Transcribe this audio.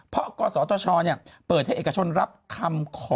เพราะกรสรทชเนี่ยเปิดให้เอกชนรับคำขอ